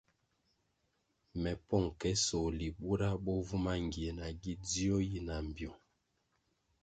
Me pong ke sohli bura bo vu mangie nagi dzio yi na mbpyung.